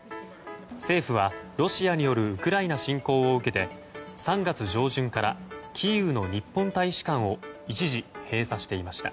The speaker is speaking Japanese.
政府はロシアによるウクライナ侵攻を受けて３月上旬からキーウの日本大使館を一時閉鎖していました。